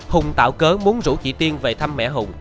hùng tạo cớ bốn rủ chị tiên về thăm mẹ hùng